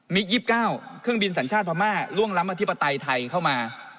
มิกส์ยิบเก้าเครื่องบินสัญชาติภามาร์ล่วงล้ำอธิปไตยไทยเข้ามา